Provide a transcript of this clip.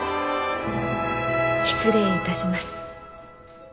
失礼いたします。